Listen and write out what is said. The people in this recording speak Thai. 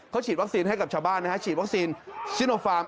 เขาฉีดวัคซีนให้กับชาวบ้านนะฮะฉีดวัคซีนซิโนฟาร์ม